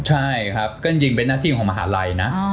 ใช่ครับก็จริงเป็นหน้าที่ของมหาลัยนะ